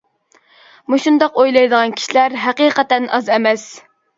مۇشۇنداق ئويلايدىغان كىشىلەر ھەقىقەتەن ئاز ئەمەس.